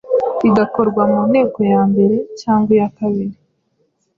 rigakorwa mu nteko ya mbere cyangwa iya kabiri